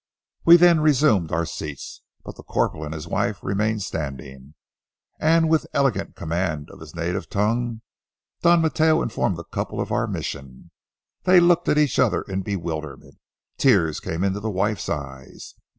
We then resumed our seats, but the corporal and his wife remained standing, and with an elegant command of his native tongue Don Mateo informed the couple of our mission. They looked at each other in bewilderment. Tears came into the wife's eyes.